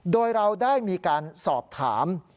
โดยเราได้มีการสอบถาม